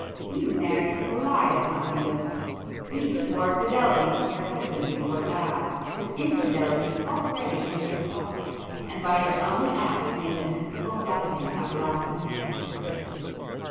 You married with a lie upon your lips; you swore fidelity to your husband before God, with infidelity already in your thoughts, and by your own act made the mystical blessing a blasphemy and a curse!